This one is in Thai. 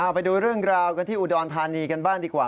ไปดูเรื่องราวกันที่อุดรธานีกันบ้างดีกว่า